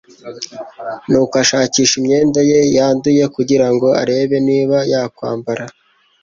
nuko ashakisha imyenda ye yanduye kugira ngo arebe niba yakwambara